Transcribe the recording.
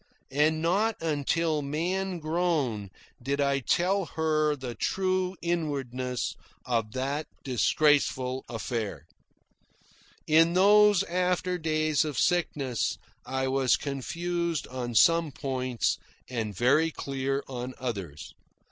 And not until man grown did I tell her the true inwardness of that disgraceful affair. In those after days of sickness, I was confused on some points, and very clear on others.